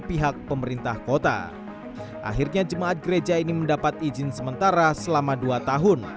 pihak pemerintah kota akhirnya jemaat gereja ini mendapat izin sementara selama dua tahun